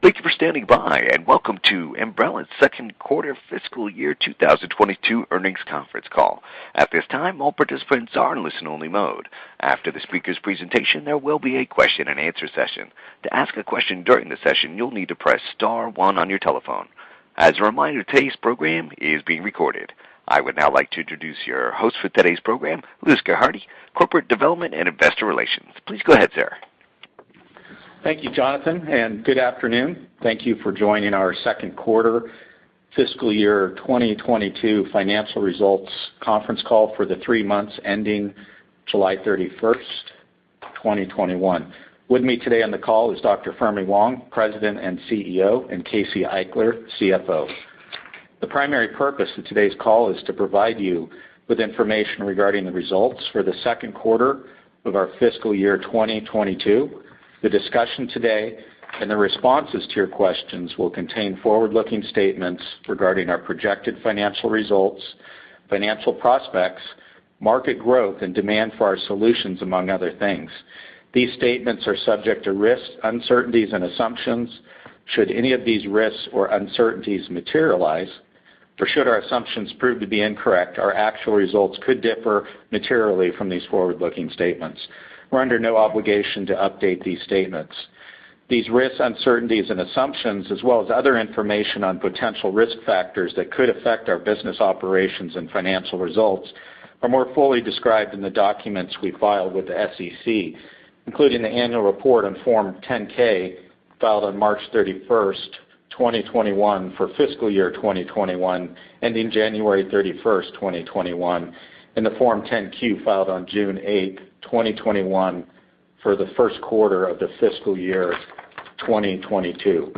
Thank you for standing by, and welcome to Ambarella's Second quarter Fiscal year 2022 Earnings Conference Call. I would now like to introduce your host for today's program, Louis Gerhardy, Corporate Development and Investor Relations. Please go ahead, sir. Thank you, Jonathan, and good afternoon. Thank you for joining our second quarter Fiscal year 2022 Financial Results Conference Call for the three months ending July 31st, 2021. With me today on the call is Dr. Fermi Wang, President and CEO, and Casey Eichler, CFO. The primary purpose of today's call is to provide you with information regarding the results for the second quarter of our fiscal year 2022. The discussion today and the responses to your questions will contain forward-looking statements regarding our projected financial results, financial prospects, market growth, and demand for our solutions, among other things. These statements are subject to risks, uncertainties, and assumptions. Should any of these risks or uncertainties materialize, or should our assumptions prove to be incorrect, our actual results could differ materially from these forward-looking statements. We're under no obligation to update these statements. These risks, uncertainties, and assumptions, as well as other information on potential risk factors that could affect our business operations and financial results, are more fully described in the documents we filed with the SEC, including the annual report on Form 10-K filed on March 31st, 2021 for fiscal year 2021, ending January 31st, 2021, and the Form 10-Q filed on June 8th, 2021 for the first quarter of the fiscal year 2022.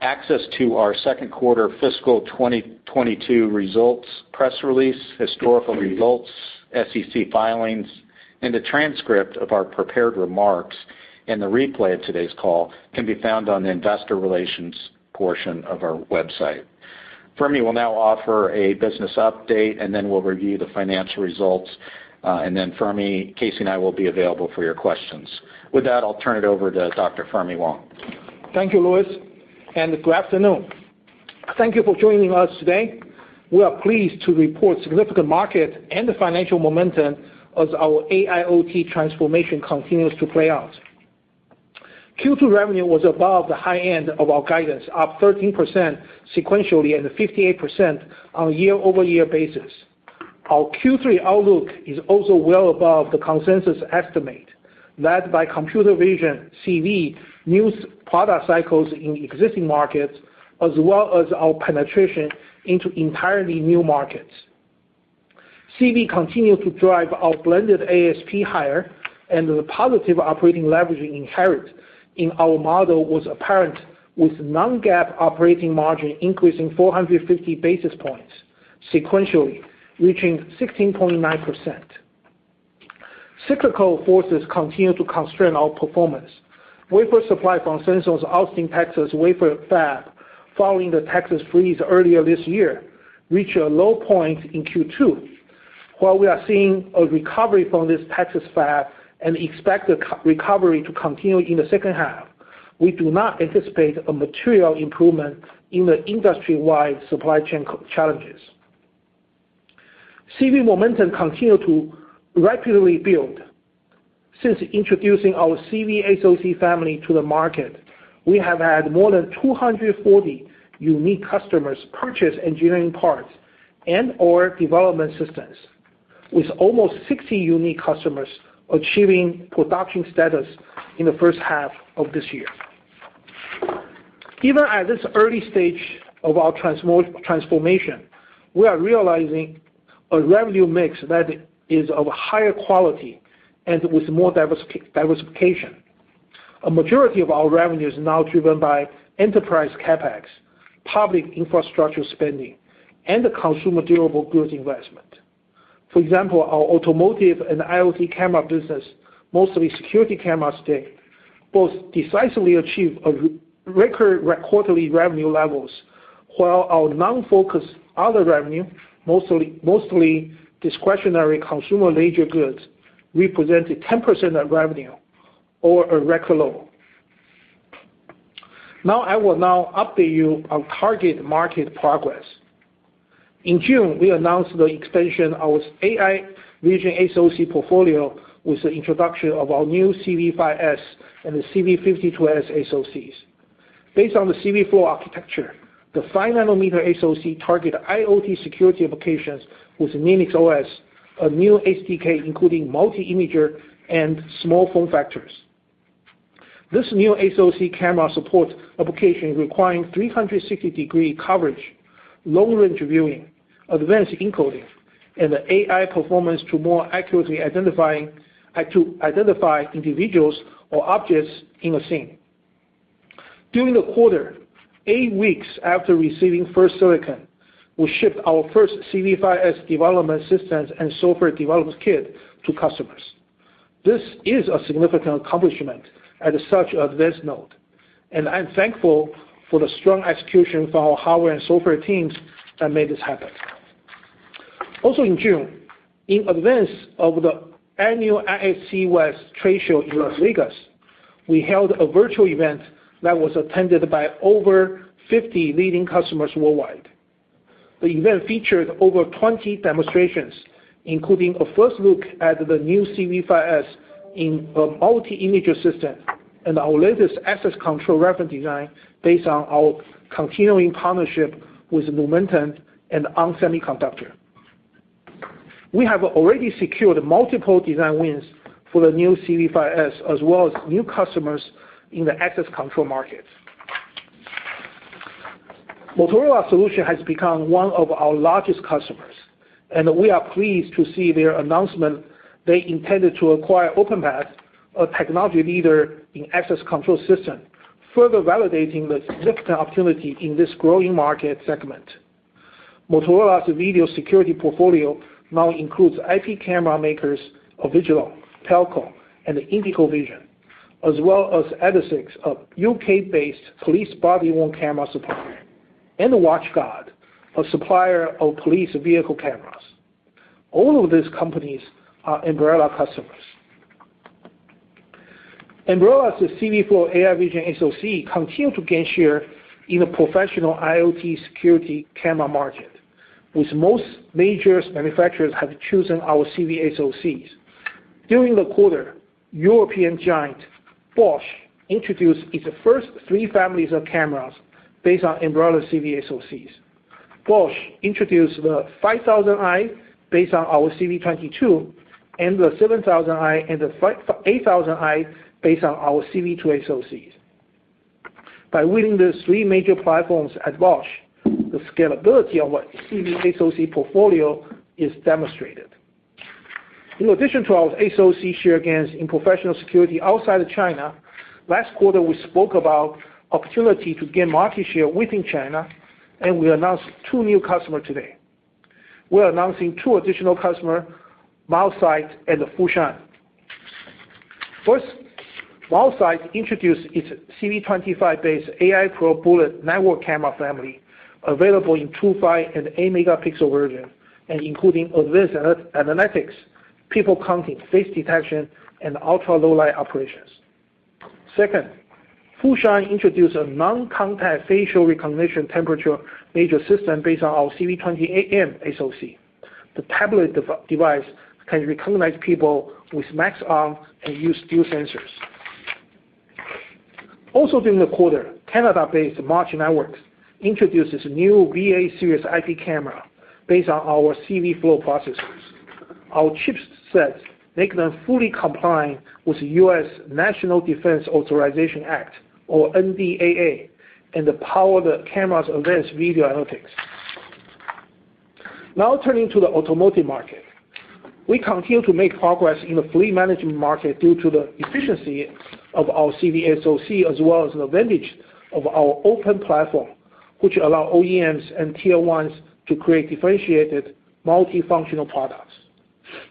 Access to our second quarter fiscal 2022 results press release, historical results, SEC filings, and the transcript of our prepared remarks, and the replay of today's call can be found on the investor relations portion of our website. Fermi will now offer a business update, and then we'll review the financial results. Fermi, Casey, and I will be available for your questions. With that, I'll turn it over to Dr. Fermi Wang. Thank you, Louis, and good afternoon. Thank you for joining us today. We are pleased to report significant market and the financial momentum as our AIoT transformation continues to play out. Q2 revenue was above the high end of our guidance, up 13% sequentially and 58% on a year-over-year basis. Our Q3 outlook is also well above the consensus estimate, led by computer vision, CV, new product cycles in existing markets, as well as our penetration into entirely new markets. CV continued to drive our blended ASP higher and the positive operating leverage inherent in our model was apparent, with non-GAAP operating margin increasing 450 basis points sequentially, reaching 16.9%. Cyclical forces continue to constrain our performance. Wafer supply from Samsung's Austin, Texas wafer fab following the Texas freeze earlier this year reached a low point in Q2. While we are seeing a recovery from this Texas fab and expect the recovery to continue in the second half, we do not anticipate a material improvement in the industry-wide supply chain challenges. CV momentum continued to rapidly build. Since introducing our CV SoC family to the market, we have had more than 240 unique customers purchase engineering parts and/or development systems, with almost 60 unique customers achieving production status in the first half of this year. Even at this early stage of our transformation, we are realizing a revenue mix that is of higher quality and with more diversification. A majority of our revenue is now driven by enterprise CapEx, public infrastructure spending, and the consumer durable goods investment. For example, our automotive and IoT camera business, mostly security cameras, both decisively achieve a record quarterly revenue levels. While our non-focus other revenue, mostly discretionary consumer leisure goods, represented 10% of revenue or a record low. I will now update you on target market progress. In June, we announced the expansion of AI vision SoC portfolio with the introduction of our new CV5S and the CV52S SoCs. Based on the CV4 architecture, the five-nanometer SoC target IoT security applications with Linux OS, a new SDK including multi-imager and small form factors. This new SoC camera supports applications requiring 360-degree coverage, long-range viewing, advanced encoding, and the AI performance to more accurately identify individuals or objects in a scene. During the quarter, eight weeks after receiving first silicon, we shipped our first CV5S development systems and software development kit to customers. This is a significant accomplishment at such advanced node, and I'm thankful for the strong execution from our hardware and software teams that made this happen. Also in June, in advance of the annual ISC West Trade Show in Las Vegas, we held a virtual event that was attended by over 50 leading customers worldwide. The event featured over 20 demonstrations, including a first look at the new CV5S in a multi-imager system and our latest access control reference design based on our continuing partnership with Lumentum and ON Semiconductor. We have already secured multiple design wins for the new CV5S, as well as new customers in the access control market. Motorola Solutions has become one of our largest customers, and we are pleased to see their announcement. They intended to acquire Openpath, a technology leader in access control system, further validating the significant opportunity in this growing market segment. Motorola's video security portfolio now includes IP camera makers Avigilon, Pelco, and IndigoVision, as well as Edesix, a U.K.-based police body-worn camera supplier, and WatchGuard, a supplier of police vehicle cameras. All of these companies are Ambarella customers. Ambarella's CVflow AI vision SoC continue to gain share in the professional IoT security camera market, with most major manufacturers have chosen our CV SoCs. During the quarter, European giant Bosch introduced its first three families of cameras based on Ambarella CV SoCs. Bosch introduced the 5000i based on our CV22 and the 7000i and the 8000i based on our CV2 SoCs. By winning these three major platforms at Bosch, the scalability of our CV SoC portfolio is demonstrated. In addition to our SoC share gains in professional security outside of China, last quarter, we spoke about opportunity to gain market share within China, we announced two new customer today. We're announcing two additional customer, Milesight and Fushan. First, Milesight introduced its CV25-based AI Pro Bullet network camera family, available in two, five, and eight megapixel version and including advanced analytics, people counting, face detection, and ultra-low-light operations. Second, Fushan introduced a non-contact facial recognition temperature measurement system based on our CV28M SoC. The tablet device can recognize people with masks on and use dual sensors. During the quarter, Canada-based March Networks introduced its new VA Series IP camera based on our CVflow processors. Our chipsets make them fully compliant with U.S. National Defense Authorization Act, or NDAA, and the power the camera's advanced video analytics. Now turning to the automotive market. We continue to make progress in the fleet management market due to the efficiency of our CV SoC as well as the advantage of our open platform, which allow OEMs and Tier 1s to create differentiated multi-functional products.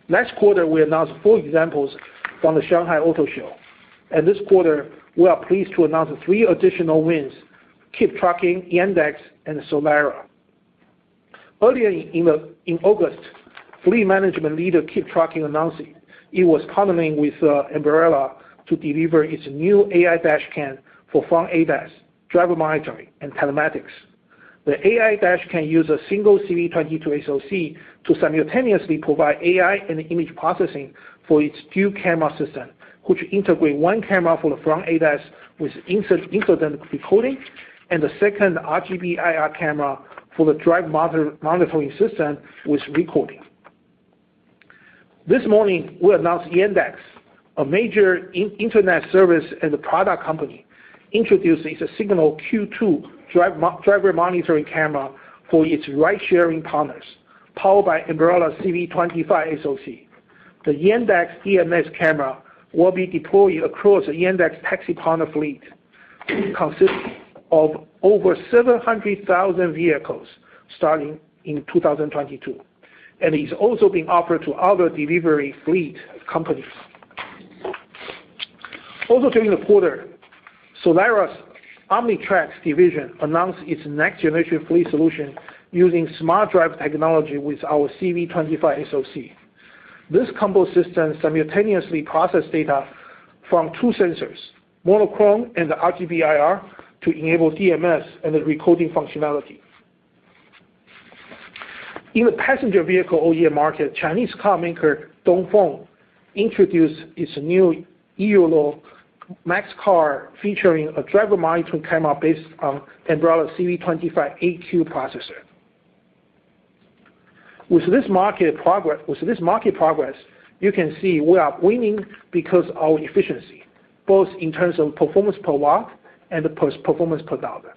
Last quarter, we announced four examples from the Shanghai Auto Show. This quarter, we are pleased to announce three additional wins, KeepTruckin, Yandex, and Solera. Earlier in August, fleet management leader KeepTruckin announced it was partnering with Ambarella to deliver its new AI dashcam for front ADAS, driver monitoring, and telematics. The AI dashcam use a single CV22 SoC to simultaneously provide AI and image processing for its dual camera system, which integrate 1 camera for the front ADAS with incident recording and the second RGB IR camera for the driver monitoring system with recording. This morning, we announced Yandex, a major internet service and a product company, introduced its Signal Q2 driver monitoring camera for its ridesharing partners, powered by Ambarella CV25 SoC. The Yandex DMS camera will be deployed across Yandex taxi partner fleet, consisting of over 700,000 vehicles starting in 2022, and is also being offered to other delivery fleet companies. Also during the quarter, Solera's Omnitracs division announced its next generation fleet solution using SmartDrive technology with our CV25 SoC. This combo system simultaneously process data from two sensors, monochrome and the RGB IR, to enable DMS and the recording functionality. In the passenger vehicle OEM market, Chinese car maker Dongfeng introduced its new Aeolus Max car featuring a driver monitoring camera based on Ambarella CV25AQ processor. With this market progress, you can see we are winning because our efficiency, both in terms of performance per watt and performance per dollar,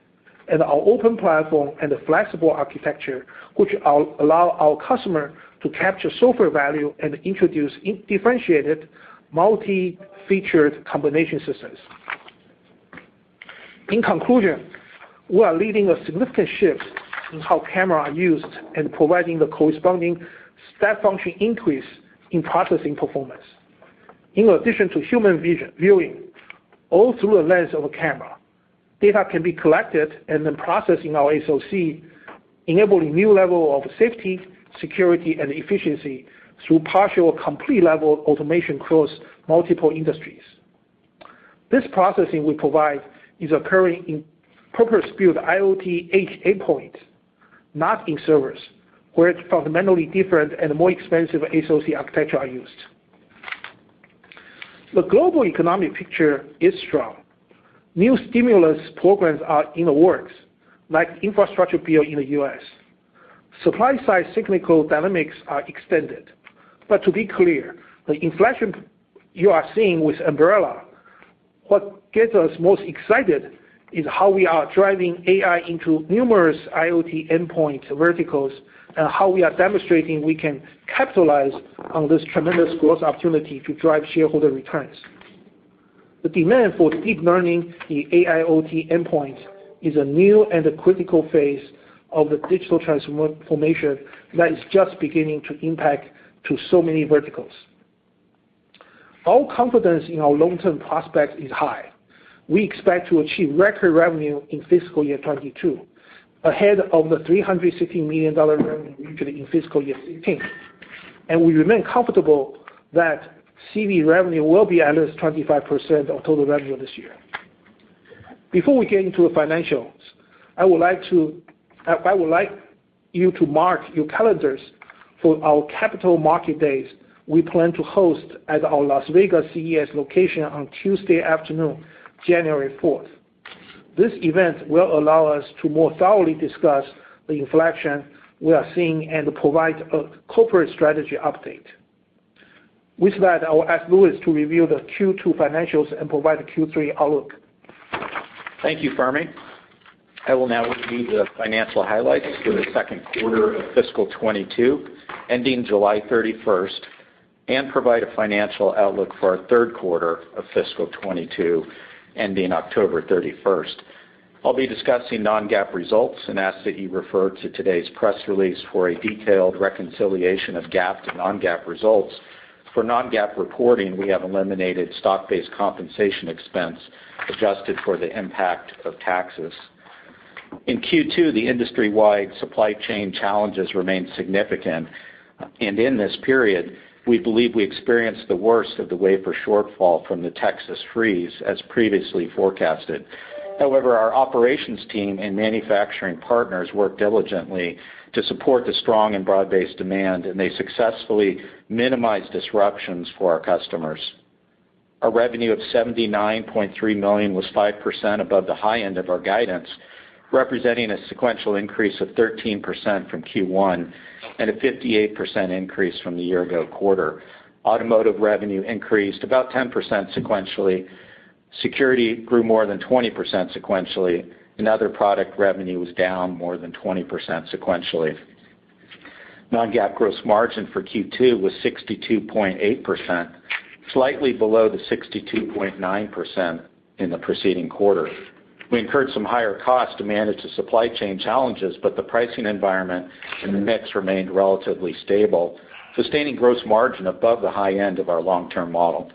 and our open platform and the flexible architecture, which allow our customer to capture software value and introduce differentiated multi-featured combination systems. In conclusion, we are leading a significant shift in how cameras are used and providing the corresponding step function increase in processing performance. In addition to human viewing, all through a lens of a camera, data can be collected and then processed in our SoC, enabling new level of safety, security, and efficiency through partial or complete level automation across multiple industries. This processing we provide is occurring in purpose-built IoT edge endpoint, not in servers, where it's fundamentally different and more expensive SoC architectures are used. The global economic picture is strong. New stimulus programs are in the works, like infrastructure build in the U.S. Supply-side cyclical dynamics are extended. To be clear, the inflection you are seeing with Ambarella, what gets us most excited is how we are driving AI into numerous IoT endpoint verticals, and how we are demonstrating we can capitalize on this tremendous growth opportunity to drive shareholder returns. The demand for deep learning the AIoT endpoint is a new and a critical phase of the digital transformation that is just beginning to impact to so many verticals. Our confidence in our long-term prospects is high. We expect to achieve record revenue in fiscal year 2022, ahead of the $316 million revenue reached in fiscal year 2018, and we remain comfortable that CV revenue will be at least 25% of total revenue this year. Before we get into the financials, I would like you to mark your calendars for our capital market days we plan to host at our Las Vegas CES location on Tuesday afternoon, January 4th. This event will allow us to more thoroughly discuss the inflection we are seeing and provide a corporate strategy update. With that, I will ask Louis to review the Q2 financials and provide the Q3 outlook. Thank you, Fermi. I will now review the financial highlights for the second quarter of fiscal 2022, ending July 31st, and provide a financial outlook for our third quarter of fiscal 2022, ending October 31st. I'll be discussing non-GAAP results and ask that you refer to today's press release for a detailed reconciliation of GAAP to non-GAAP results. For non-GAAP reporting, we have eliminated stock-based compensation expense adjusted for the impact of taxes. In Q2, the industry-wide supply chain challenges remained significant. In this period, we believe we experienced the worst of the wafer shortfall from the Texas freeze as previously forecasted. However, our operations team and manufacturing partners worked diligently to support the strong and broad-based demand, and they successfully minimized disruptions for our customers. Our revenue of $79.3 million was 5% above the high end of our guidance, representing a sequential increase of 13% from Q1 and a 58% increase from the year-ago quarter. Automotive revenue increased about 10% sequentially, security grew more than 20% sequentially. Other product revenue was down more than 20% sequentially. Non-GAAP gross margin for Q2 was 62.8%, slightly below the 62.9% in the preceding quarter. We incurred some higher costs to manage the supply chain challenges. The pricing environment and the mix remained relatively stable, sustaining gross margin above the high end of our long-term model.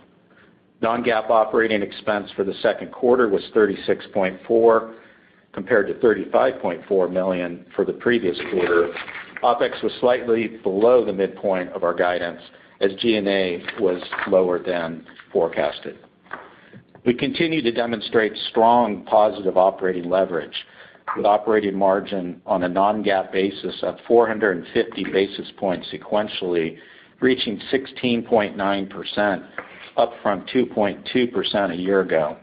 Non-GAAP operating expense for the second quarter was $36.4 million compared to $35.4 million for the previous quarter. OpEx was slightly below the midpoint of our guidance as G&A was lower than forecasted. We continue to demonstrate strong positive operating leverage with operating margin on a non-GAAP basis of 450 basis points sequentially, reaching 16.9%, up from 2.2% a year ago.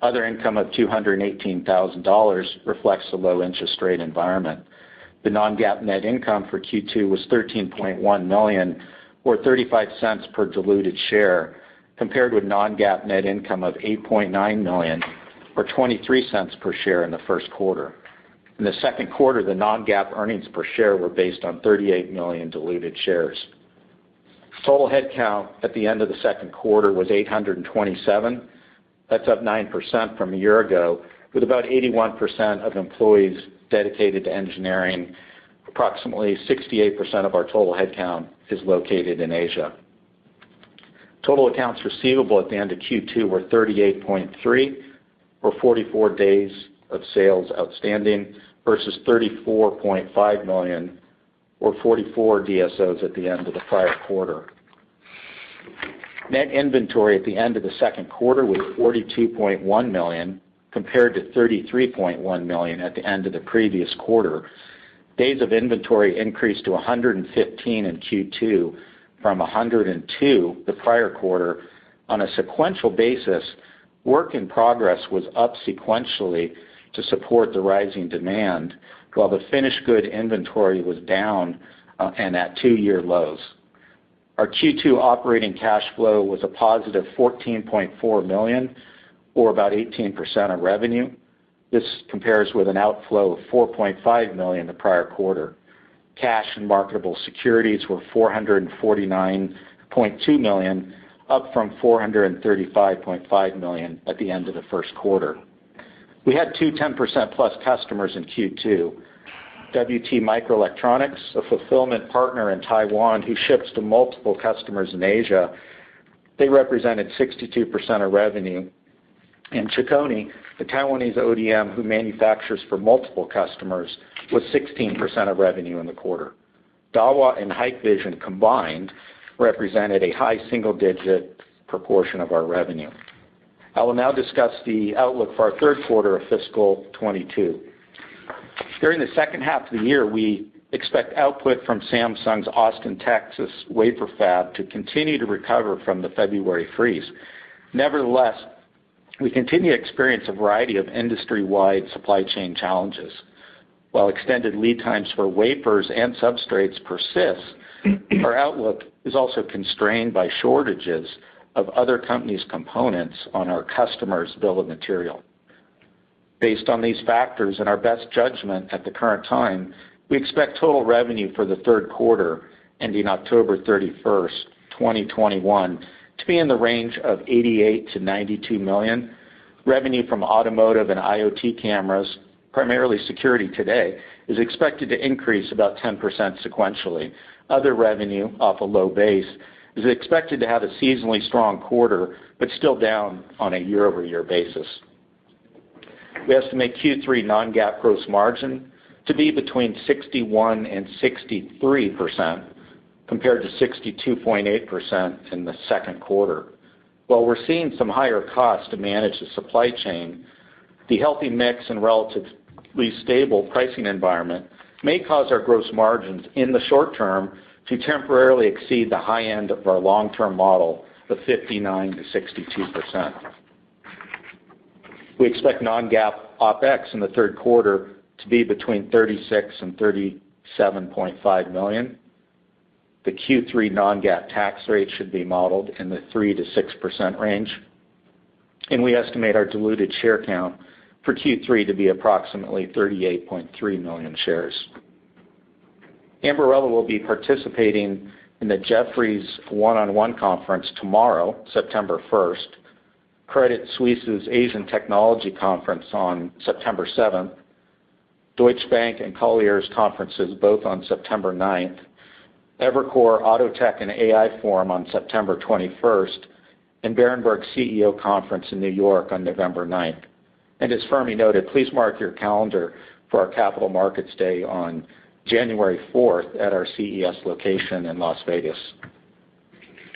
Other income of $218,000 reflects the low interest rate environment. The non-GAAP net income for Q2 was $13.1 million, or $0.35 per diluted share, compared with non-GAAP net income of $8.9 million or $0.23 per share in the first quarter. In the second quarter, the non-GAAP earnings per share were based on 38 million diluted shares. Total headcount at the end of the second quarter was 827. That's up 9% from a year ago, with about 81% of employees dedicated to engineering. Approximately 68% of our total headcount is located in Asia. Total accounts receivable at the end of Q2 were $38.3 million or 44 days of sales outstanding versus $34.5 million or 44 DSO at the end of the prior quarter. Net inventory at the end of the second quarter was $42.1 million compared to $33.1 million at the end of the previous quarter. Days of inventory increased to 115 in Q2 from 102 the prior quarter. On a sequential basis, work in progress was up sequentially to support the rising demand, while the finished good inventory was down and at two-year lows. Our Q2 operating cash flow was a positive $14.4 million, or about 18% of revenue. This compares with an outflow of $4.5 million the prior quarter. Cash and marketable securities were $449.2 million, up from $435.5 million at the end of the first quarter. We had two 10%-plus customers in Q2. WT Microelectronics, a fulfillment partner in Taiwan who ships to multiple customers in Asia. They represented 62% of revenue. Chicony, the Taiwanese ODM who manufactures for multiple customers, was 16% of revenue in the quarter. Dahua and Hikvision combined represented a high single-digit proportion of our revenue. I will now discuss the outlook for our third quarter of fiscal 2022. During the second half of the year, we expect output from Samsung's Austin, Texas, wafer fab to continue to recover from the February freeze. Nevertheless, we continue to experience a variety of industry-wide supply chain challenges. While extended lead times for wafers and substrates persist, our outlook is also constrained by shortages of other companies' components on our customers' bill of material. Based on these factors and our best judgment at the current time, we expect total revenue for the third quarter ending October 31st, 2021, to be in the range of $88 million-$92 million. Revenue from automotive and IoT cameras, primarily security today, is expected to increase about 10% sequentially. Other revenue, off a low base, is expected to have a seasonally strong quarter, but still down on a year-over-year basis. We estimate Q3 non-GAAP gross margin to be between 61%-63%, compared to 62.8% in the second quarter. While we're seeing some higher costs to manage the supply chain, the healthy mix and relatively stable pricing environment may cause our gross margins, in the short term, to temporarily exceed the high end of our long-term model of 59%-62%. We expect non-GAAP OpEx in the third quarter to be between $36 million-$37.5 million. The Q3 non-GAAP tax rate should be modeled in the 3%-6% range. We estimate our diluted share count for Q3 to be approximately 38.3 million shares. Ambarella will be participating in the Jefferies 1 on one Conference tomorrow, September 1st, Credit Suisse's Asian Technology Conference on September 7th, Deutsche Bank and Colliers conferences both on September 9th, Evercore AutoTech and AI Forum on September 21st, and Berenberg's CEO Conference in New York on November 9th. As Fermi noted, please mark your calendar for our capital markets day on January 4th at our CES location in Las Vegas.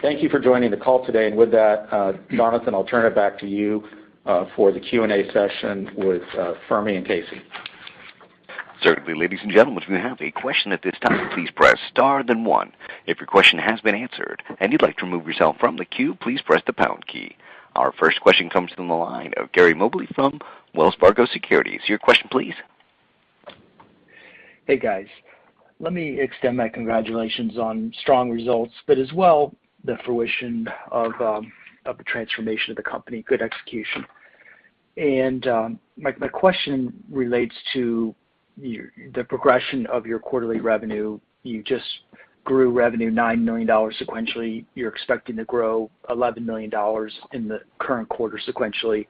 Thank you for joining the call today. With that, Jonathan, I'll turn it back to you for the Q&A session with Fermi and Casey. Certainly. Ladies and gentlemen, if you have a question at this time, please press star then one. Our first question comes from the line of Gary Mobley from Wells Fargo Securities. Your question, please. Hey, guys. Let me extend my congratulations on strong results, but as well, the fruition of the transformation of the company. Good execution. My question relates to the progression of your quarterly revenue. You just grew revenue $9 million sequentially. You're expecting to grow $11 million in the current quarter sequentially.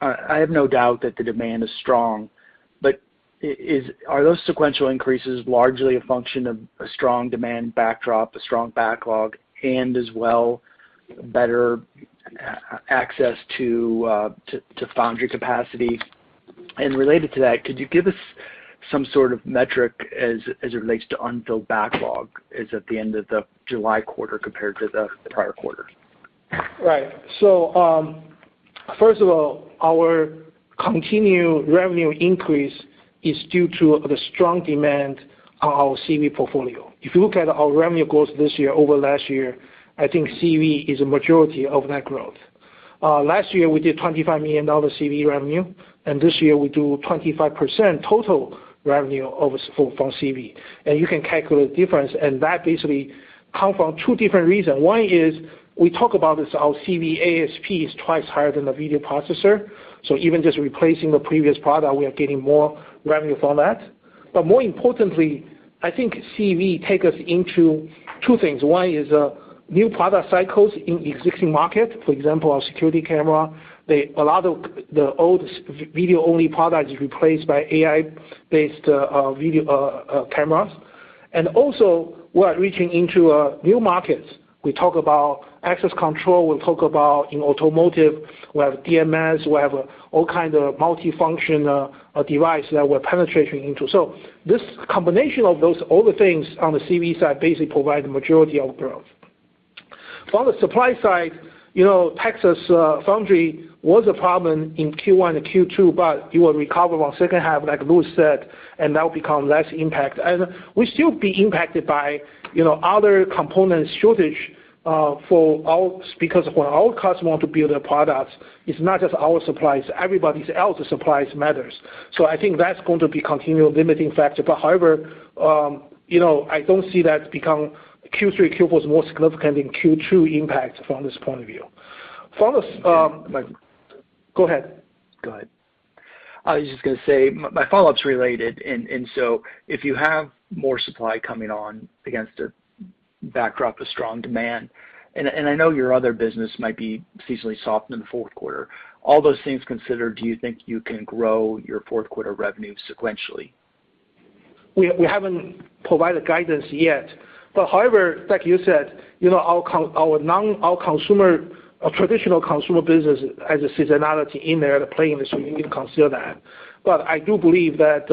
I have no doubt that the demand is strong, but are those sequential increases largely a function of a strong demand backdrop, a strong backlog, and as well, better access to foundry capacity? Related to that, could you give us some sort of metric as it relates to unfilled backlog as at the end of the July quarter compared to the prior quarter? Right. First of all, our continued revenue increase is due to the strong demand on our CV portfolio. If you look at our revenue growth this year over last year, I think CV is a majority of that growth. Last year, we did $25 million CV revenue, and this year we do 25% total revenue from CV. You can calculate the difference, and that basically comes from two different reasons. One is we talk about this, our CV ASP is twice higher than the video processor. Even just replacing the previous product, we are getting more revenue from that. More importantly, I think CV take us into two things. One is new product cycles in existing market. For example, our security camera. A lot of the old video-only product is replaced by AI-based video cameras. Also, we are reaching into new markets. We talk about access control, we talk about in automotive, we have DMS, we have all kind of multifunction device that we're penetrating into. This combination of those, all the things on the CV side basically provide the majority of growth. From the supply side, Texas Foundry was a problem in Q1 and Q2, but it will recover on second half, like Louis said, and that will become less impact. We'll still be impacted by other component shortage, because when our customer want to build a product, it's not just our supplies. Everybody's else supplies matters. I think that's going to be continued limiting factor. However, I don't see that become Q3, Q4 is more significant than Q2 impact from this point of view. Go ahead. Go ahead. I was just going to say, my follow-up's related. If you have more supply coming on against a backdrop of strong demand, and I know your other business might be seasonally soft in the fourth quarter. All those things considered, do you think you can grow your fourth quarter revenue sequentially? We haven't provided guidance yet. However, like you said, our traditional consumer business has a seasonality in there that plays, so we need to consider that. But I do believe that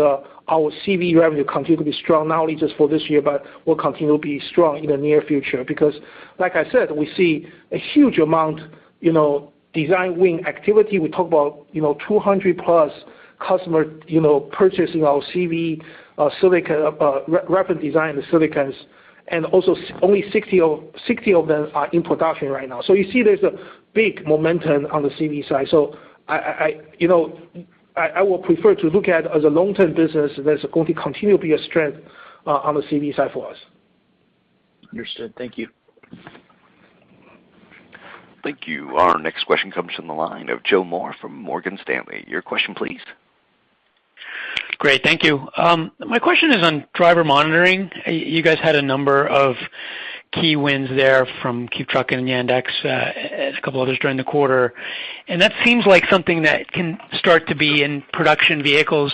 our CV revenue continues to be strong, not only just for this year, but will continue to be strong in the near future, because like I said, we see a huge amount design win activity. We talk about 200-plus customer purchasing our CV reference design silicons, and also only 60 of them are in production right now. So you see there's a big momentum on the CV side. So I will prefer to look at it as a long-term business that's going to continually be a strength on the CV side for us. Understood. Thank you. Thank you. Our next question comes from the line of Joseph Moore from Morgan Stanley. Your question, please. Great. Thank you. My question is on driver monitoring. You guys had a number of key wins there from Motive and Yandex, a couple others during the quarter. That seems like something that can start to be in production vehicles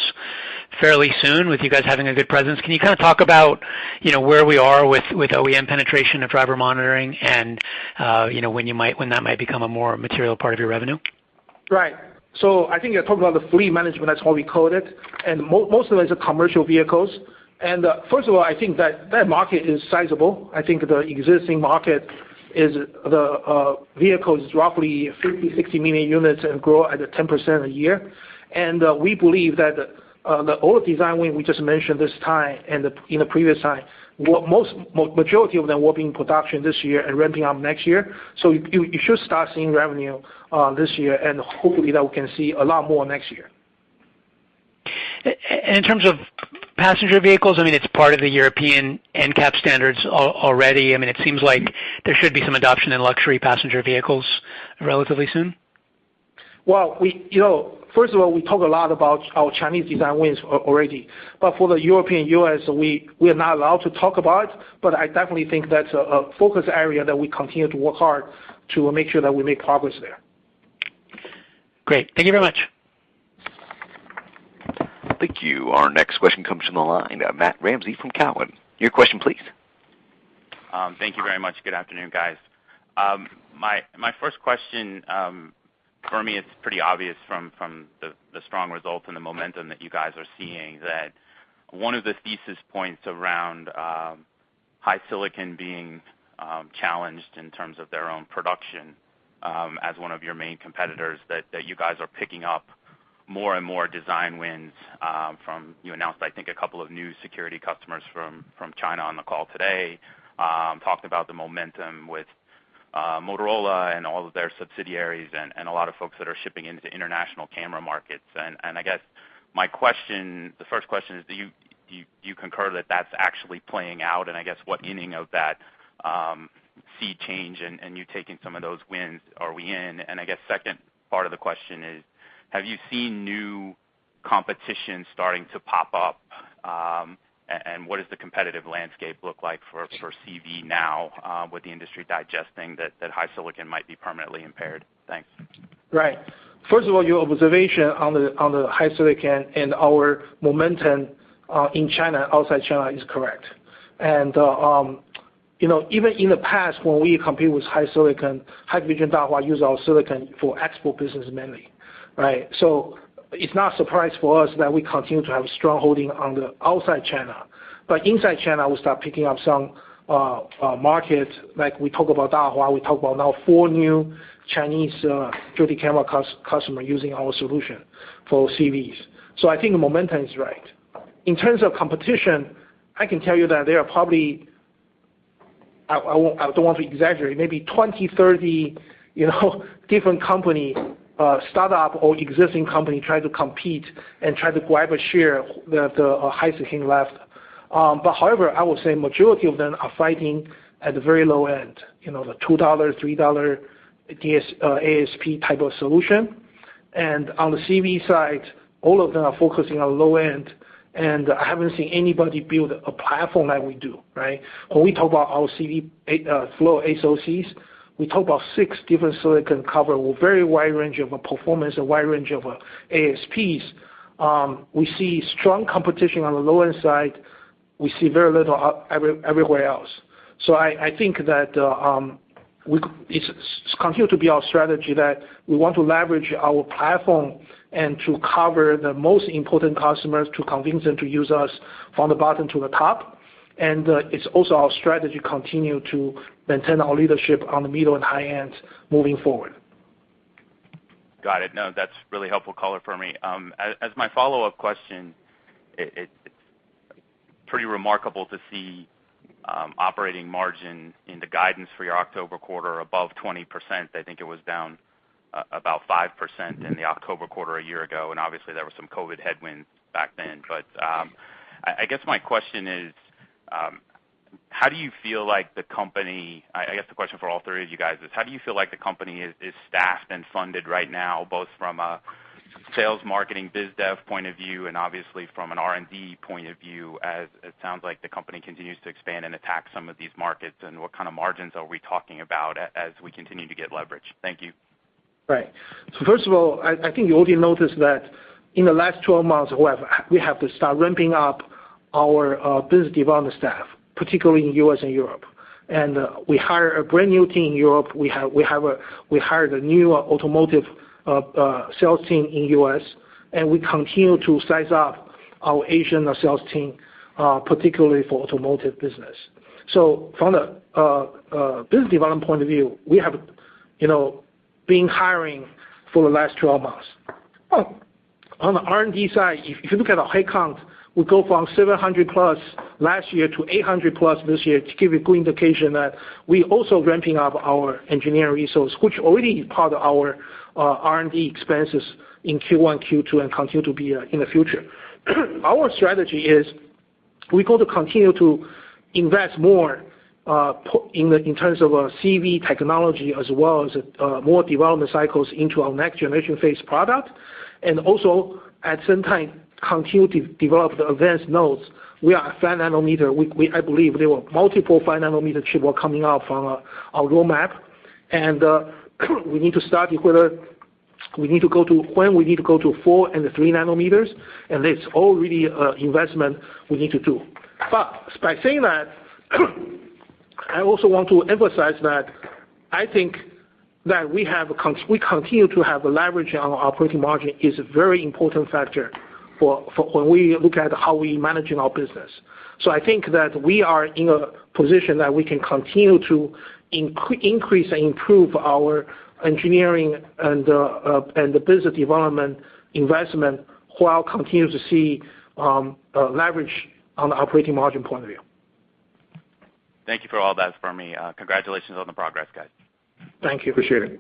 fairly soon, with you guys having a good presence. Can you talk about where we are with OEM penetration of driver monitoring and when that might become a more material part of your revenue? Right. I think you're talking about the fleet management, that's how we code it, and most of it is commercial vehicles. First of all, I think that market is sizable. I think the existing market is the vehicles, roughly 50 million-60 million units and grow at 10% a year. We believe that all the design wins we just mentioned this time and in the previous time, majority of them will be in production this year and ramping up next year. You should start seeing revenue this year and hopefully that we can see a lot more next year. In terms of passenger vehicles, I mean, it's part of the European NCAP standards already. I mean, it seems like there should be some adoption in luxury passenger vehicles relatively soon. Well, first of all, we talk a lot about our Chinese design wins already. For the European U.S., we are not allowed to talk about it, but I definitely think that's a focus area that we continue to work hard to make sure that we make progress there. Great. Thank you very much. Thank you. Our next question comes from the line of Matthew Ramsay from Cowen. Your question, please. Thank you very much. Good afternoon, guys. My first question, for me it's pretty obvious from the strong results and the momentum that you guys are seeing that one of the thesis points around HiSilicon being challenged in terms of their own production as one of your main competitors, that you guys are picking up more and more design wins from-- You announced, I think, a couple of new security customers from China on the call today, talked about the momentum with Motorola and all of their subsidiaries and a lot of folks that are shipping into international camera markets. I guess the first question is, do you concur that that's actually playing out? I guess what inning of that sea change and you taking some of those wins are we in? I guess second part of the question is, have you seen new competition starting to pop up? What does the competitive landscape look like for CV now, with the industry digesting that HiSilicon might be permanently impaired? Thanks. Right. First of all, your observation on the HiSilicon and our momentum in China, outside China, is correct. Even in the past, when we compete with HiSilicon, Hikvision, Dahua use our silicon for export business mainly, right? It's not surprise for us that we continue to have strong holding on the outside China. Inside China, we start picking up some markets, like we talk about Dahua, we talk about now four new Chinese 3D camera customer using our solution for CV5. I think the momentum is right. In terms of competition, I can tell you that there are probably, I don't want to exaggerate, maybe 20, 30 different company, startup or existing company, trying to compete and trying to grab a share that HiSilicon left. I would say majority of them are fighting at the very low end, the $2, $3 ASP type of solution. On the CV side, all of them are focusing on low end, and I haven't seen anybody build a platform like we do, right? When we talk about our CVflow SoCs, we talk about six different silicon cover with very wide range of performance, a wide range of ASPs. We see strong competition on the low end side. We see very little everywhere else. I think that it's continue to be our strategy that we want to leverage our platform and to cover the most important customers to convince them to use us from the bottom to the top. It's also our strategy continue to maintain our leadership on the middle and high ends moving forward. Got it. No, that's really helpful color for me. As my follow-up question, it's pretty remarkable to see operating margin in the guidance for your October quarter above 20%. I think it was down about 5% in the October quarter a year ago, and obviously there were some COVID headwinds back then. I guess the question for all three of you guys is, how do you feel like the company is staffed and funded right now, both from a sales marketing, biz dev point of view, and obviously from an R&D point of view, as it sounds like the company continues to expand and attack some of these markets? What kind of margins are we talking about as we continue to get leverage? Thank you. Right. First of all, I think you already noticed that in the last 12 months, we have to start ramping up our business development staff, particularly in U.S. and Europe. We hire a brand new team in Europe. We hired a new automotive sales team in U.S., and we continue to size up our Asian sales team, particularly for automotive business. From the business development point of view, we have been hiring for the last 12 months. On the R&D side, if you look at our head count, we go from 700+ last year to 800+ this year to give you a good indication that we also ramping up our engineering resource, which already is part of our R&D expenses in Q1, Q2 and continue to be in the future. Our strategy is we going to continue to invest more in terms of CV technology as well as more development cycles into our next generation phase product. Also at the same time continue to develop the advanced nodes. We are a 5 nanometer. I believe there were multiple 5 nanometer chip were coming out from our roadmap. We need to study whether when we need to go to 4 and 3 nanometers. That's all really investment we need to do. By saying that I also want to emphasize that I think that we continue to have leverage on our operating margin is a very important factor for when we look at how we managing our business. I think that we are in a position that we can continue to increase and improve our engineering and the business development investment while continue to see leverage on the operating margin point of view. Thank you for all that, Fermi. Congratulations on the progress, guys. Thank you. Appreciate it.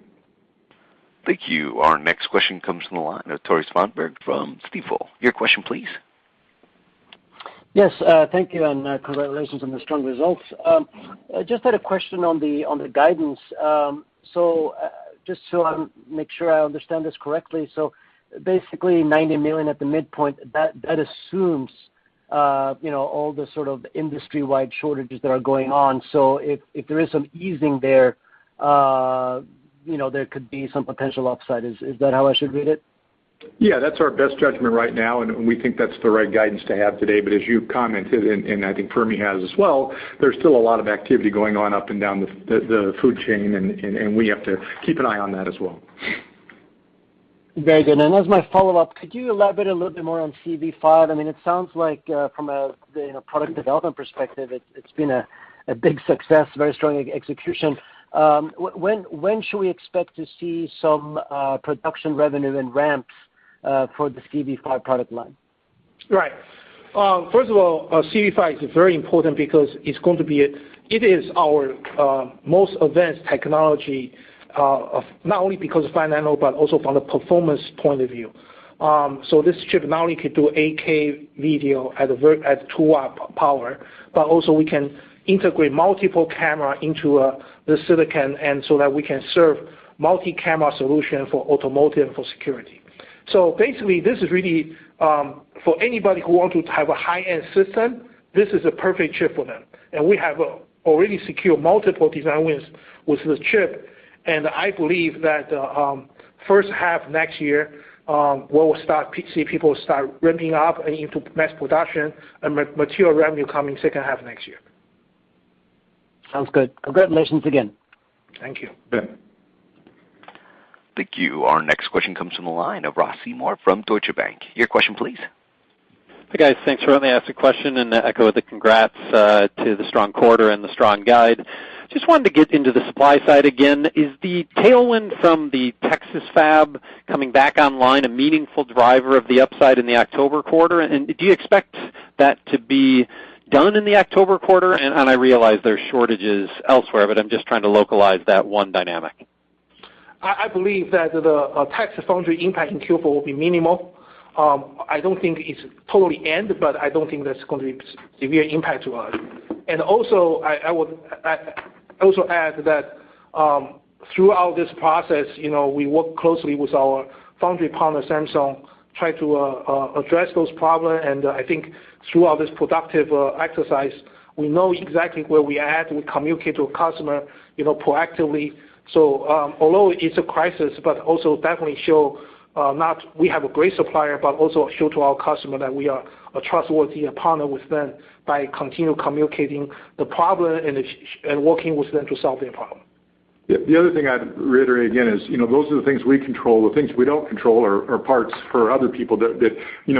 Thank you. Our next question comes from the line of Tore Svanberg from Stifel. Your question, please. Yes, thank you. Congratulations on the strong results. Just had a question on the guidance. Just so I make sure I understand this correctly. Basically $90 million at the midpoint, that assumes all the sort of industry-wide shortages that are going on. If there is some easing there could be some potential upside. Is that how I should read it? Yeah, that's our best judgment right now, and we think that's the right guidance to have today. As you've commented, and I think Fermi has as well, there's still a lot of activity going on up and down the food chain, and we have to keep an eye on that as well. Very good. As my follow-up, could you elaborate a little bit more on CV5? It sounds like from a product development perspective, it's been a big success, very strong execution. When should we expect to see some production revenue and ramps for the CV5 product line? Right. First of all, CV5 is very important because it is our most advanced technology, not only because of financial, but also from the performance point of view. This chip not only can do 8K video at 2 watt power, but also we can integrate multiple camera into the silicon, so that we can serve multi-camera solution for automotive and for security. Basically, this is really for anybody who want to have a high-end system, this is a perfect chip for them. We have already secured multiple design wins with this chip, and I believe that first half next year, we will see people start ramping up into mass production and material revenue coming second half next year. Sounds good. Congratulations again. Thank you. Yeah. Thank you. Our next question comes from the line of Ross Seymore from Deutsche Bank. Your question, please. Hey, guys, thanks for letting me ask the question and echo the congrats to the strong quarter and the strong guide. Just wanted to get into the supply side again. Is the tailwind from the Texas fab coming back online a meaningful driver of the upside in the October quarter? Do you expect that to be done in the October quarter? I realize there's shortages elsewhere, but I'm just trying to localize that one dynamic. I believe that the Texas Foundry impact in Q4 will be minimal. I don't think it's totally end, but I don't think that's going to be a severe impact to us. I also add that throughout this process, we work closely with our foundry partner, Samsung, try to address those problem. I think throughout this productive exercise, we know exactly where we at. We communicate to customer proactively. Although it's a crisis, but also definitely show not we have a great supplier, but also show to our customer that we are a trustworthy partner with them by continue communicating the problem and working with them to solve their problem. The other thing I'd reiterate again is those are the things we control. The things we don't control are parts for other people that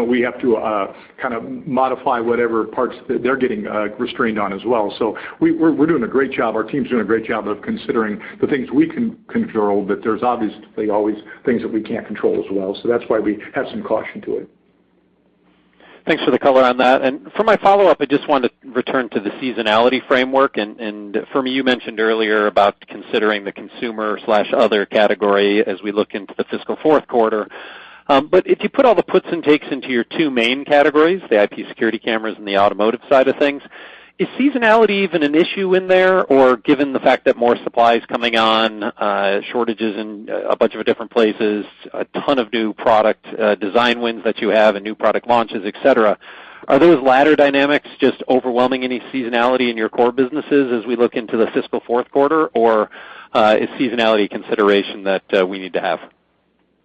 we have to kind of modify whatever parts that they're getting restrained on as well. We're doing a great job. Our team's doing a great job of considering the things we can control, but there's obviously always things that we can't control as well. That's why we have some caution to it. Thanks for the color on that. For my follow-up, I just wanted to return to the seasonality framework. Fermi, you mentioned earlier about considering the consumer/other category as we look into the fiscal fourth quarter. If you put all the puts and takes into your two main categories, the IP security cameras and the automotive side of things, is seasonality even an issue in there? Given the fact that more supply is coming on, shortages in a bunch of different places, a ton of new product design wins that you have and new product launches, et cetera, are those latter dynamics just overwhelming any seasonality in your core businesses as we look into the fiscal fourth quarter, or is seasonality a consideration that we need to have?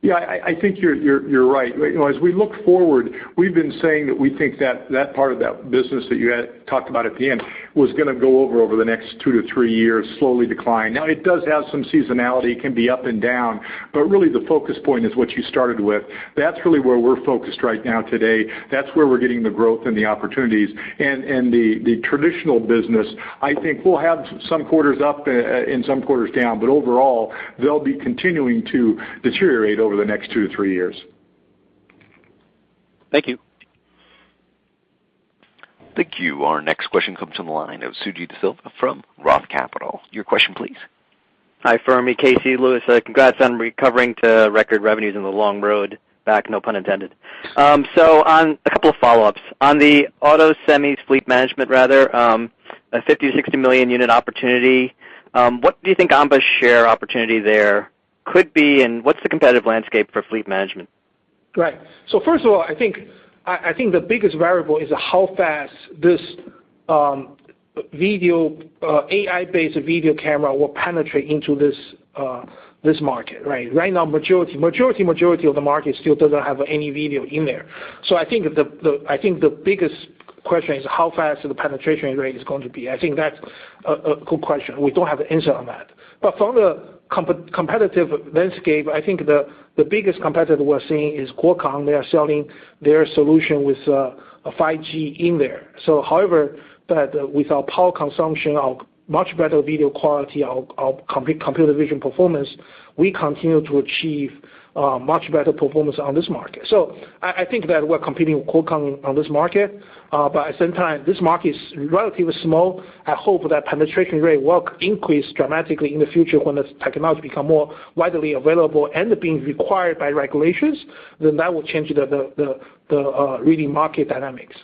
Yeah, I think you're right. As we look forward, we've been saying that we think that part of that business that you had talked about at the end was going to go over the next two to three years, slowly decline. It does have some seasonality. It can be up and down, but really the focus point is what you started with. That's really where we're focused right now today. That's where we're getting the growth and the opportunities. The traditional business, I think we'll have some quarters up and some quarters down, but overall, they'll be continuing to deteriorate over the next two to three years. Thank you. Thank you. Our next question comes from the line of Suji Desilva from Roth Capital. Your question, please. Hi, Fermi, Casey, Louis. Congrats on recovering to record revenues on the long road back, no pun intended. On a couple of follow-ups. On the auto semis fleet management, rather, a 50 million-60 million unit opportunity, what do you think Ambarella's share opportunity there could be, and what's the competitive landscape for fleet management? Right. First of all, I think the biggest variable is how fast this AI-based video camera will penetrate into this market, right? Right now, majority of the market still doesn't have any video in there. I think the biggest question is how fast the penetration rate is going to be. I think that's a good question. We don't have an answer on that. From the competitive landscape, I think the biggest competitor we're seeing is Qualcomm. They are selling their solution with 5G in there. However, with our power consumption, our much better video quality, our complete computer vision performance, we continue to achieve much better performance on this market. I think that we're competing with Qualcomm on this market. At the same time, this market is relatively small. I hope that penetration rate will increase dramatically in the future when the technology become more widely available and being required by regulations, then that will change the leading market dynamics.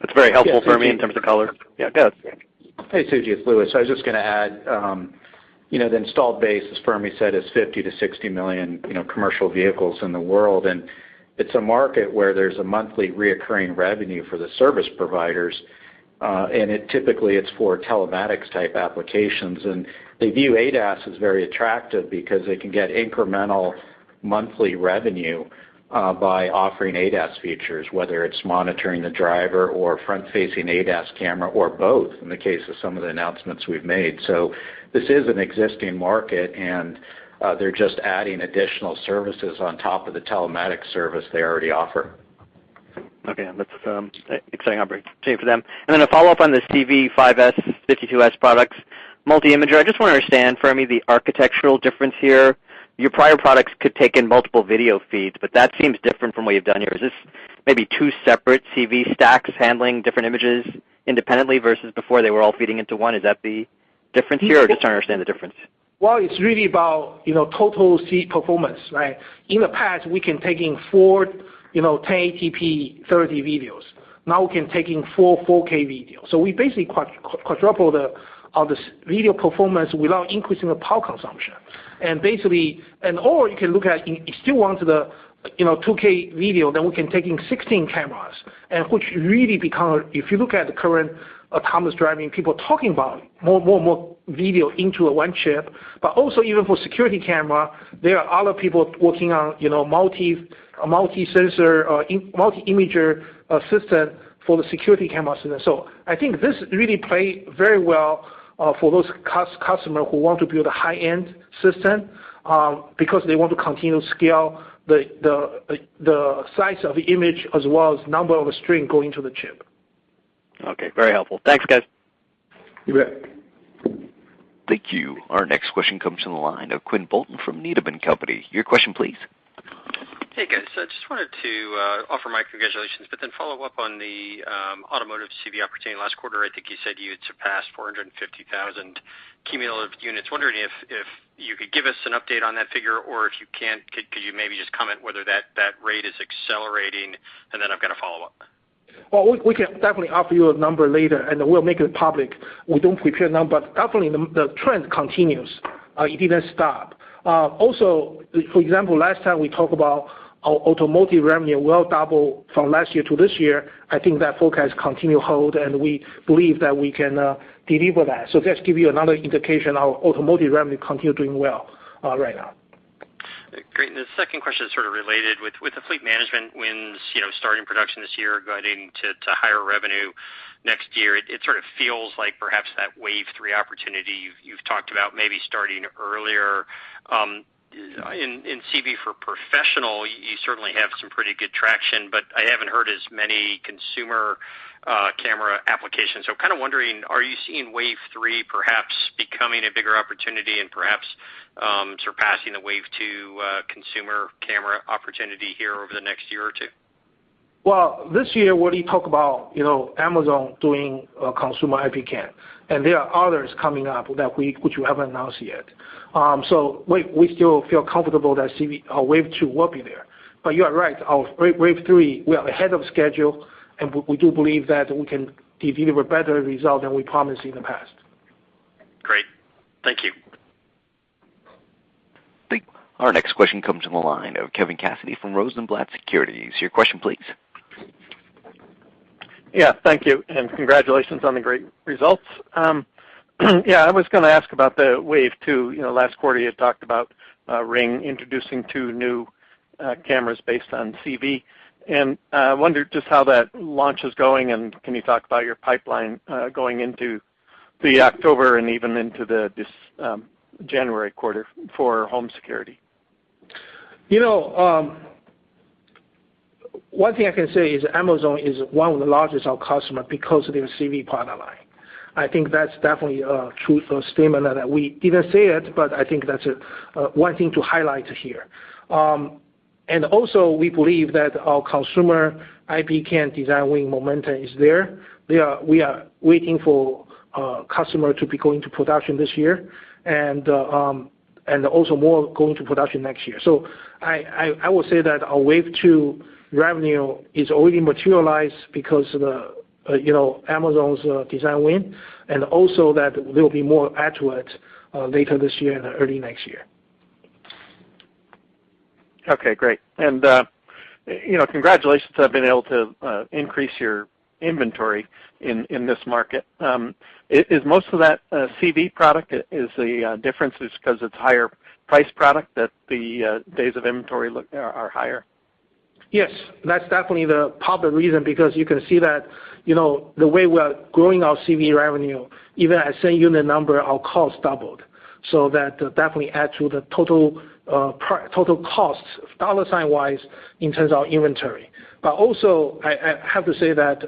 That's very helpful for me in terms of color. Yeah. Go ahead. Hey, Suji. It's Louis. I was just going to add, the installed base, as Fermi said, is 50 million-60 million commercial vehicles in the world, and it's a market where there's a monthly recurring revenue for the service providers. Typically it's for telematics type applications, and they view ADAS as very attractive because they can get incremental monthly revenue by offering ADAS features, whether it's monitoring the driver or front-facing ADAS camera or both, in the case of some of the announcements we've made. This is an existing market, and they're just adding additional services on top of the telematics service they already offer. Okay. That's exciting opportunity for them. A follow-up on the CV5S/52S products, multi-imager. I just want to understand, Fermi, the architectural difference here. Your prior products could take in multiple video feeds, but that seems different from what you've done here. Is this maybe two separate CV stacks handling different images independently versus before they were all feeding into one? Is that the difference here? I just don't understand the difference. Well, it's really about total SoC performance, right? In the past, we can take in 4 1080p 30 videos. Now we can take in 4 4K videos. We basically quadruple the video performance without increasing the power consumption. Or you can look at, if you still want the 2K video, we can take in 16 cameras, which really become, if you look at the current autonomous driving, people talking about more video into 1 chip. Also even for security camera, there are other people working on multi-imager system for the security camera system. I think this really plays very well for those customers who want to build a high-end system, because they want to continue scale the size of the image as well as number of streams going to the chip. Okay. Very helpful. Thanks, guys. You bet. Thank you. Our next question comes from the line of Quinn Bolton from Needham & Company. Your question, please. Hey, guys. I just wanted to offer my congratulations, follow up on the automotive CV opportunity. Last quarter, I think you said you had surpassed 450,000 cumulative units. Wondering if you could give us an update on that figure, or if you can't, could you maybe just comment whether that rate is accelerating? I've got a follow-up. Well, we can definitely offer you a number later, and we'll make it public. We don't prepare now, but definitely the trend continues. It didn't stop. For example, last time we talk about our automotive revenue will double from last year to this year, I think that forecast continue hold, and we believe that we can deliver that. Just give you another indication our automotive revenue continue doing well right now. Great. The second question is sort of related. With the fleet management wins starting production this year, guiding to higher revenue next year, it sort of feels like perhaps that wave three opportunity you've talked about maybe starting earlier. In CV for professional, you certainly have some pretty good traction, but I haven't heard as many consumer camera applications. Kind of wondering, are you seeing wave three perhaps becoming a bigger opportunity and perhaps surpassing the wave two consumer camera opportunity here over the next year or two? This year, when you talk about Amazon doing a consumer IP cam, and there are others coming up that week, which we haven't announced yet. We still feel comfortable that our wave two will be there. You are right. Our wave three, we are ahead of schedule, and we do believe that we can deliver better result than we promised in the past. Great. Thank you. Thank you. Our next question comes from the line of Kevin Cassidy from Rosenblatt Securities. Your question, please. Thank you, and congratulations on the great results. I was going to ask about the wave 2. Last quarter, you had talked about Ring introducing 2 new cameras based on CV, and I wondered just how that launch is going, and can you talk about your pipeline, going into the October and even into this January quarter for home security? 1 thing I can say is Amazon is 1 of the largest customer because of their CV product line. I think that's definitely a true statement that we didn't say it, but I think that's 1 thing to highlight here. We believe that our consumer IP cam design win momentum is there. We are waiting for customer to be going to production this year and also more going to production next year. I will say that our wave 2 revenue is already materialized because of Amazon's design win, and also that there'll be more added to it later this year and early next year. Okay, great. Congratulations on being able to increase your inventory in this market. Is most of that CV product, is the difference is because it's higher priced product that the days of inventory are higher? Yes. That's definitely the part of the reason, because you can see that the way we're growing our CV revenue, even at same unit number, our cost doubled. That definitely adds to the total costs, dollar sign-wise, in terms of our inventory. Also, I have to say that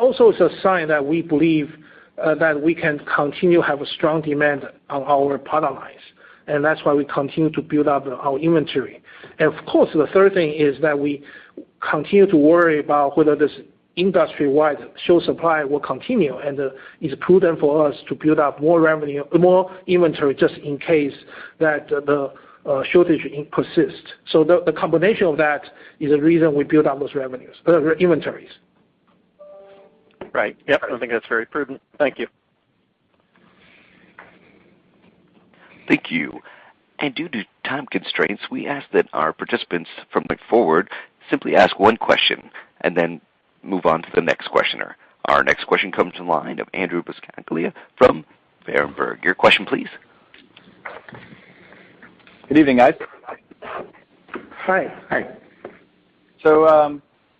also is a sign that we believe that we can continue have a strong demand on our product lines, and that's why we continue to build up our inventory. Of course, the third thing is that we continue to worry about whether this industry-wide short supply will continue, and it's prudent for us to build up more revenue, more inventory just in case that the shortage persists. The combination of that is the reason we build up those inventories. Right. Yep. I think that's very prudent. Thank you. Thank you. Due to time constraints, we ask that our participants from going forward simply ask one question and then move on to the next questioner. Our next question comes from the line of Andrew Buscaglia from Berenberg. Your question, please. Good evening, guys. Hi. Hi.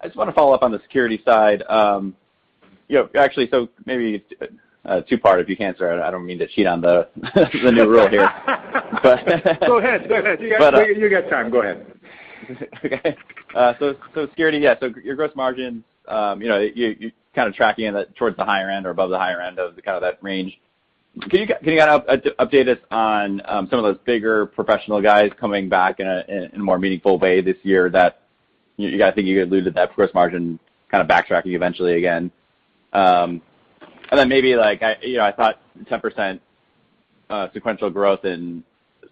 I just want to follow up on the security side. Actually, maybe 2-part if you can, sir. I don't mean to cheat on the new rule here. Go ahead. You got time. Go ahead. Okay. security, yeah. Your gross margin, you're kind of tracking it towards the higher end or above the higher end of kind of that range. Can you update us on some of those bigger professional guys coming back in a more meaningful way this year that you guys think you could lose at that gross margin kind of backtracking eventually again? maybe I thought 10% sequential growth in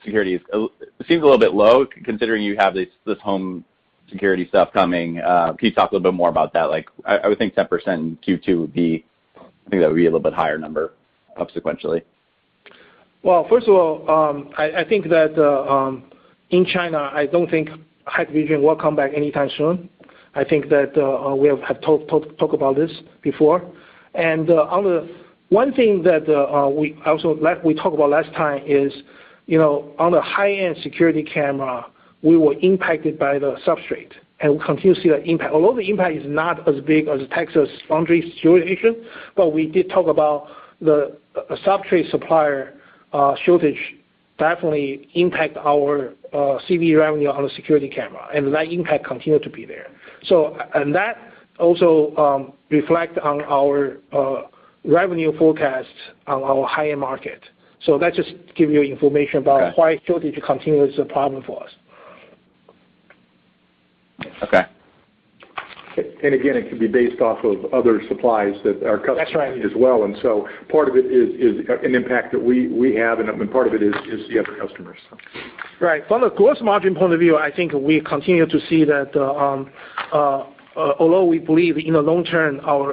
security seems a little bit low considering you have this home security stuff coming. Can you talk a little bit more about that? I would think 10% in Q2, I think that would be a little bit higher number sequentially. Well, first of all, I think that, in China, I don't think Hikvision will come back anytime soon. I think that we have talked about this before. One thing that we talked about last time is on the high-end security camera, we were impacted by the substrate and we continue to see that impact. Although the impact is not as big as the Texas foundry situation, but we did talk about the substrate supplier shortage definitely impact our CV revenue on the security camera, and that impact continue to be there. That also reflect on our revenue forecast on our higher market. That just give you information about why shortage continues to be a problem for us. Okay. Again, it could be based off of other supplies that our customers. That's right. need as well. Part of it is an impact that we have, and part of it is the other customers. Right. From the gross margin point of view, I think we continue to see that although we believe in the long term, our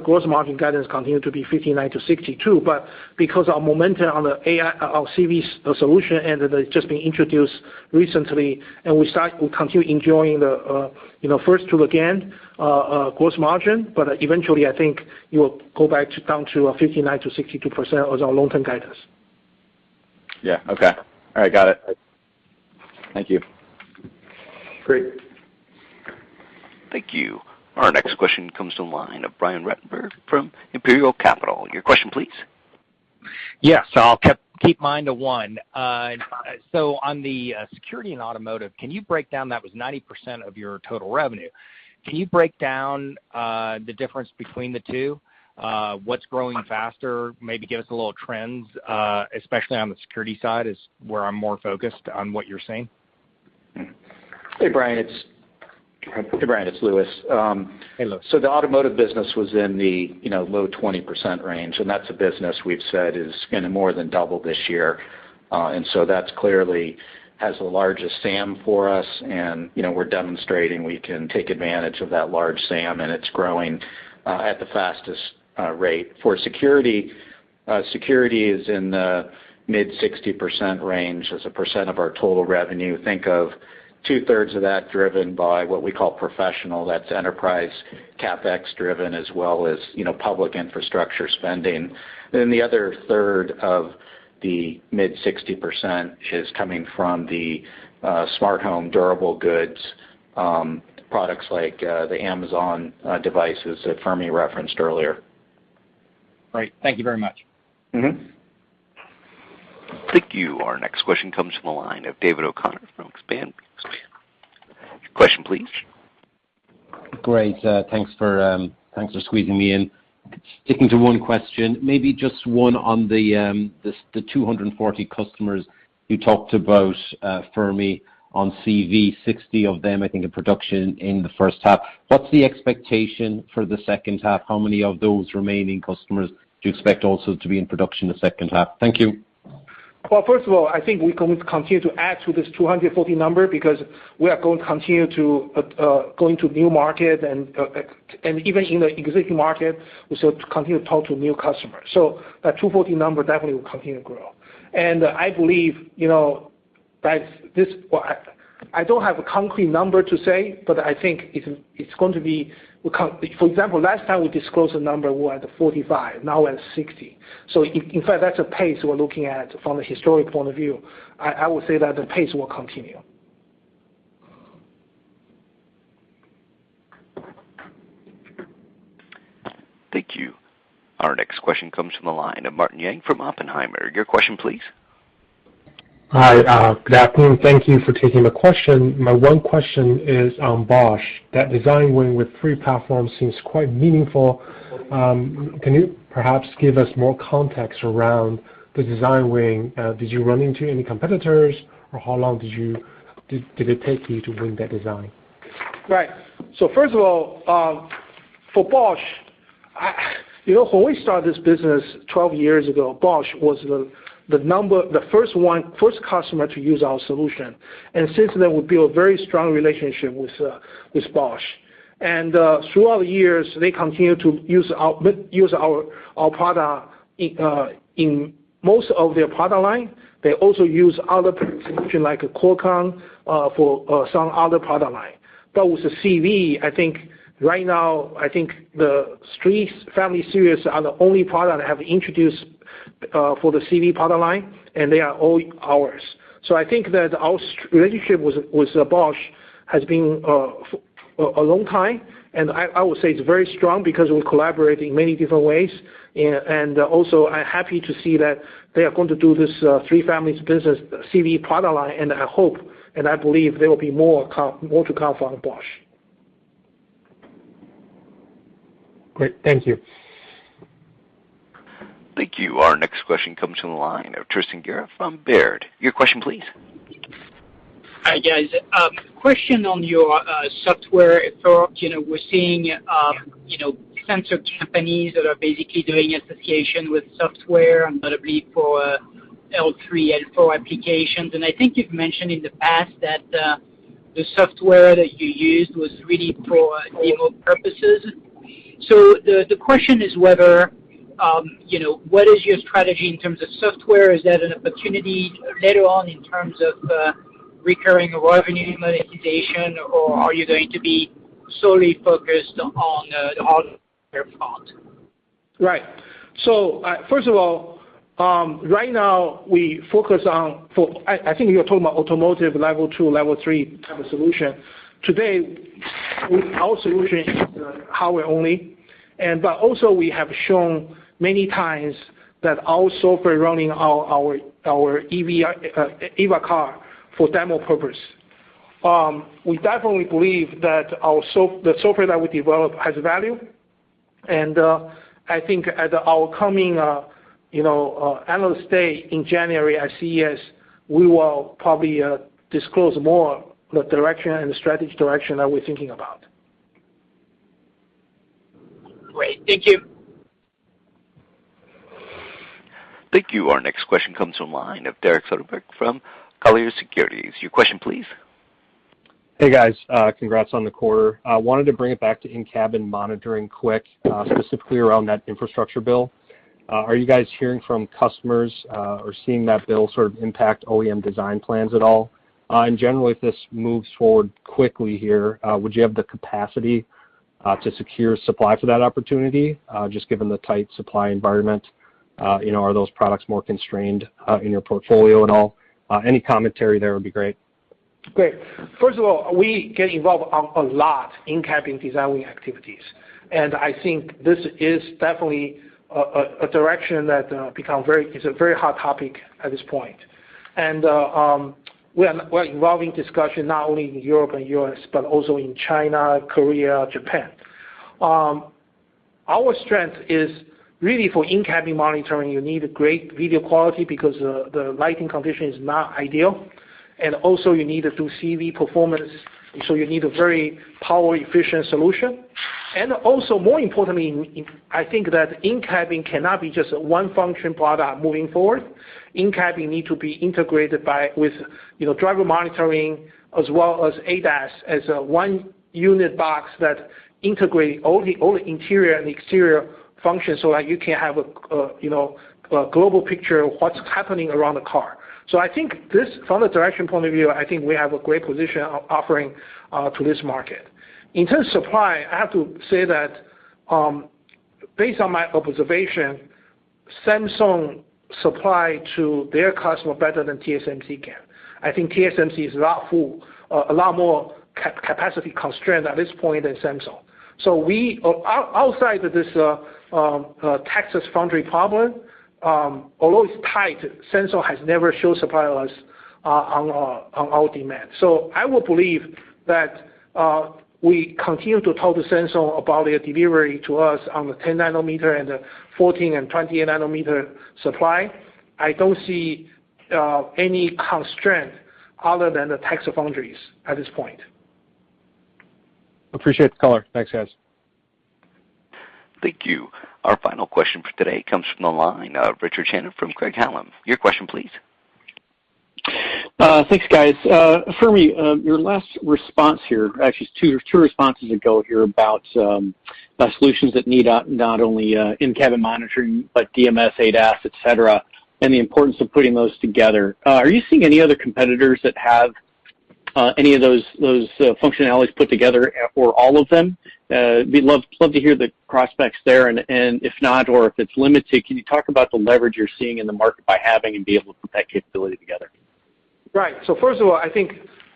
gross margin guidance continue to be 59%-62%. Because our momentum on our CV solution and just being introduced recently, we continue enjoying the first two again, gross margin. Eventually, I think it will go back down to 59%-62% as our long-term guidance. Yeah. Okay. All right. Got it. Thank you. Great. Thank you. Our next question comes to the line of Brian Ruttenbur from Imperial Capital. Your question, please. I'll keep mine to one. On the security and automotive, can you break down, that was 90% of your total revenue? Can you break down the difference between the two? What's growing faster? Maybe give us a little trends, especially on the security side is where I'm more focused on what you're saying. Hey, Brian, it's Louis. Hey, Louis. The automotive business was in the low 20% range, and that's a business we've said is going to more than double this year. That clearly has the largest SAM for us, and we're demonstrating we can take advantage of that large SAM, and it's growing at the fastest rate. For security is in the mid 60% range as a percent of our total revenue. Think of 2/3 of that driven by what we call professional. That's enterprise CapEx driven, as well as public infrastructure spending. The 1/3 of the mid 60% is coming from the smart home durable goods, products like the Amazon devices that Fermi referenced earlier. Great. Thank you very much. Thank you. Our next question comes from the line of David O'Connor from Exane. Your question, please. Great. Thanks for squeezing me in. Sticking to one question, maybe just one on the 240 customers you talked about, Fermi, on CV, 60 of them, I think, in production in the first half. What's the expectation for the second half? How many of those remaining customers do you expect also to be in production in the second half? Thank you. Well, first of all, I think we're going to continue to add to this 240 number because we are going to continue to go into new market and even in the existing market, we still continue to talk to new customers. That 240 number definitely will continue to grow. I believe, I don't have a concrete number to say, but I think For example, last time we disclosed the number, we were at 45, now we're at 60. In fact, that's a pace we're looking at from a historic point of view. I would say that the pace will continue. Thank you. Our next question comes from the line of Martin Yang from Oppenheimer. Your question, please. Hi, good afternoon. Thank you for taking the question. My one question is on Bosch. That design win with three platforms seems quite meaningful. Can you perhaps give us more context around the design win? Did you run into any competitors, or how long did it take you to win that design? Right. First of all, for Bosch, when we started this business 12 years ago, Bosch was the first customer to use our solution. Since then, we built a very strong relationship with Bosch. Throughout the years, they continue to use our product in most of their product line. They also use other solution like a Qualcomm, for some other product line. With the CV, I think right now, I think the three family series are the only product I have introduced for the CV product line, and they are all ours. I think that our relationship with Bosch has been a long time, and I would say it's very strong because we collaborate in many different ways. Also, I'm happy to see that they are going to do this 3 families business CV product line, and I hope, and I believe there will be more to come from Bosch. Great. Thank you. Thank you. Our next question comes from the line of Tristan Gerra from Baird. Your question, please. Hi, guys. Question on your software. We're seeing sensor companies that are basically doing association with software, and that'll be for L3, L4 applications. I think you've mentioned in the past that the software that you used was really for demo purposes. The question is what is your strategy in terms of software? Is that an opportunity later on in terms of recurring revenue monetization, or are you going to be solely focused on the hardware part? Right. First of all, right now I think you're talking about automotive level 2, level 3 type of solution. Today, our solution is hardware only. Also we have shown many times that our software running our EVA car for demo purpose. We definitely believe that the software that we develop has value, and I think at our coming Analyst Day in January at CES, we will probably disclose more the direction and the strategy direction that we're thinking about. Great. Thank you. Thank you. Our next question comes from line of Derek Soderberg from Colliers Securities. Your question, please. Hey, guys. Congrats on the quarter. I wanted to bring it back to in-cabin monitoring quick, specifically around that infrastructure bill. Are you guys hearing from customers, or seeing that bill sort of impact OEM design plans at all? Generally, if this moves forward quickly here, would you have the capacity to secure supply for that opportunity? Just given the tight supply environment, are those products more constrained in your portfolio at all? Any commentary there would be great. Great. First of all, we get involved a lot in-cabin designing activities. I think this is definitely a direction that is a very hot topic at this point. We're involving discussion not only in Europe and U.S., but also in China, Korea, Japan. Our strength is really for in-cabin monitoring. You need great video quality because the lighting condition is not ideal. You need a true CV performance, so you need a very power-efficient solution. More importantly, I think that in-cabin cannot be just a one-function product moving forward. In-cabin need to be integrated with driver monitoring as well as ADAS as a one-unit box that integrate all the interior and exterior functions so that you can have a global picture of what's happening around the car. I think from the direction point of view, I think we have a great position offering to this market. In terms of supply, I have to say that based on my observation, Samsung supply to their customer better than TSMC can. I think TSMC is a lot more capacity-constrained at this point than Samsung. Outside of this Texas foundry problem, although it's tight, Samsung has never shown suppliers on our demand. I will believe that we continue to talk to Samsung about their delivery to us on the 10 nanometer and the 14 and 28 nanometer supply. I don't see any constraint other than the Texas foundries at this point. Appreciate the color. Thanks, guys. Thank you. Our final question for today comes from the line of Richard Shannon from Craig-Hallum. Your question, please. Thanks, guys. Fermi, your last response here, actually it's two responses ago here about solutions that need not only in-cabin monitoring, but DMS, ADAS, et cetera, and the importance of putting those together. Are you seeing any other competitors that have any of those functionalities put together or all of them? We'd love to hear the prospects there and if not or if it's limited, can you talk about the leverage you're seeing in the market by having and be able to put that capability together? Right. First of all, I think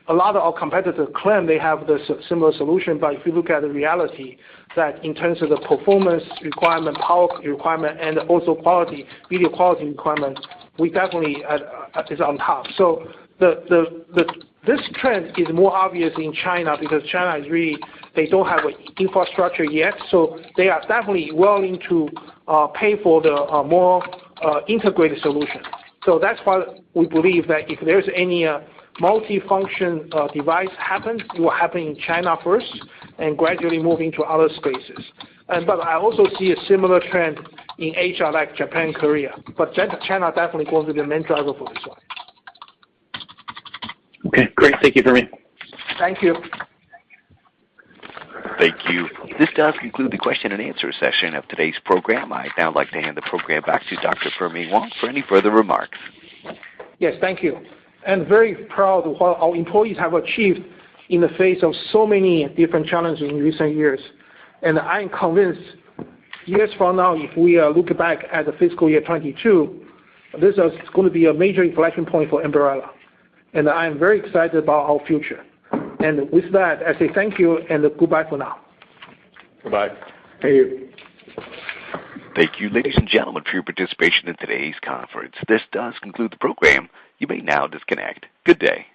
a lot of our competitors claim they have the similar solution, but if you look at the reality that in terms of the performance requirement, power requirement, and also video quality requirement, we definitely is on top. This trend is more obvious in China because China they don't have infrastructure yet, so they are definitely willing to pay for the more integrated solution. That's why we believe that if there's any multifunction device happens, it will happen in China first and gradually move into other spaces. I also see a similar trend in Asia, like Japan, Korea. China definitely going to be the main driver for this one. Okay, great. Thank you, Fermi. Thank you. Thank you. This does conclude the question and answer session of today's program. I'd now like to hand the program back to Dr. Fermi Wang for any further remarks. Yes, thank you, and very proud of what our employees have achieved in the face of so many different challenges in recent years. I am convinced years from now, if we look back at the fiscal year 2022, this is going to be a major inflection point for Ambarella, and I am very excited about our future. With that, I say thank you and goodbye for now. Bye. Thank you. Thank you, ladies and gentlemen, for your participation in today's conference. This does conclude the program. You may now disconnect. Good day.